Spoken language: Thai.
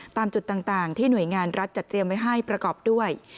ตามจุดต่างที่หน่วยงานรัฐจัดเตรียมไว้ให้ประกอบด้วย